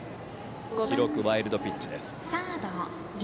記録、ワイルドピッチです。